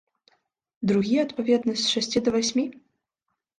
Другі, адпаведна, з шасці да васьмі?